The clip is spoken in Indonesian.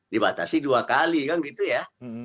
dibatasi dua kali kan gitu ya